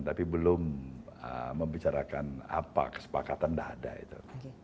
tapi belum membicarakan apa kesepakatan dah ada itu